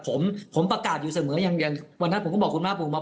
ผมผมประกาศอยู่เสมออย่างอย่างวันนั้นผมก็บอกคุณภาคภูมิว่า